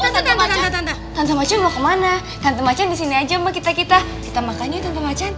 tante macan tante macan mau kemana tante macan disini aja sama kita kita kita makan yuk tante macan